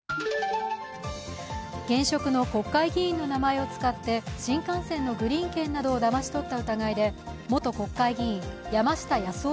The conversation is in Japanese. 現職の国会議員の名前を使って新幹線のグリーン券などをだまし取った疑いで元国会議員・山下八洲夫